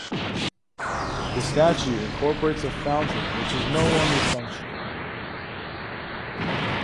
The statue incorporates a fountain, which is no longer functioning.